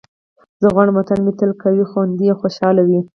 زه غواړم وطن مې تل قوي، خوندي او خوشحال وي.